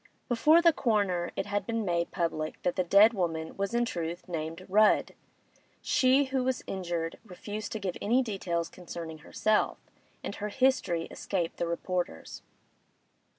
Before the coroner it had been made public that the dead woman was in truth named Rudd; she who was injured refused to give any details concerning herself, and her history escaped the reporters.